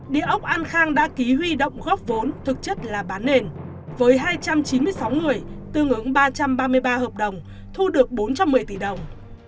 địa ốc an khang đã ký huy động góp vốn thực chất là bán nền với hai trăm chín mươi sáu người tương ứng ba trăm ba mươi ba hợp đồng thu được bốn trăm một mươi tỷ đồng